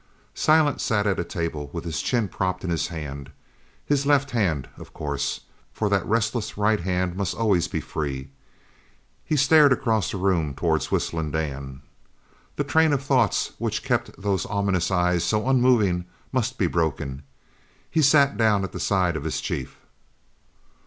Silent sat at a table with his chin propped in his hand his left hand, of course, for that restless right hand must always be free. He stared across the room towards Whistling Dan. The train of thoughts which kept those ominous eyes so unmoving must be broken. He sat down at the side of his chief.